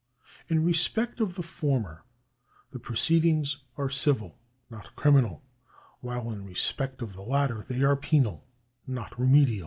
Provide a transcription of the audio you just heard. In respect of the former the proceedings are civil, not criminal ; while in respect of the latter they are penal, not remedial.